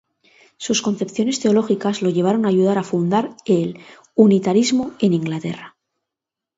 Sus concepciones teológicas lo llevaron a ayudar a fundar el unitarismo en Inglaterra.